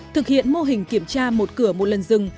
thực hiện mô hình kiểm tra một cửa một lần rừng